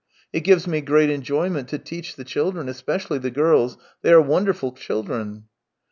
It gives me great enjoyment to teach the children, especially the girls. They are wonderful children